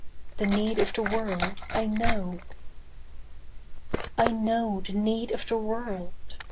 The need of the world I know. I know the need of the world.